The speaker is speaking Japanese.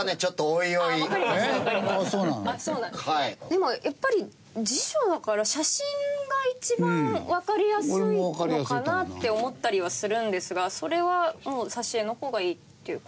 でもやっぱり辞書だから写真が一番わかりやすいのかなって思ったりはするんですがそれはもう挿絵の方がいいっていう？